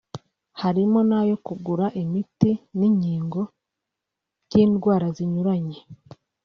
harimo n’ayo kugura imiti n’inkingo by’indwara zinyuranye